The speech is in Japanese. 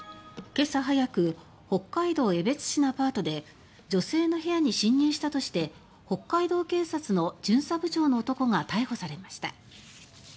今朝早く北海道江別市のアパートで女性の部屋に侵入したとして北海道警察の巡査部長の男が逮捕されました。